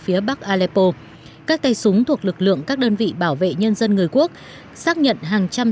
phía bắc aleppo các tay súng thuộc lực lượng các đơn vị bảo vệ nhân dân người quốc xác nhận hàng trăm